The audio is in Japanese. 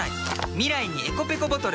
未来にｅｃｏペコボトル。